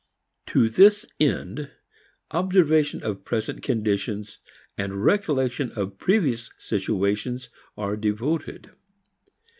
To this end observation of present conditions, recollection of previous situations are devoted.